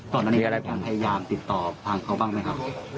ตอนนั้นคุณพยายามติดต่อทางเค้าบ้างไหมฮะ